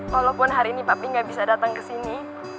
walaupun hari ini papi nggak bisa datang ke sini